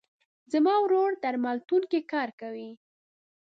زما ورور درملتون کې کار کوي.